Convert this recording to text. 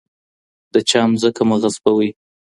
د چا ځمکه مه غصبوئ.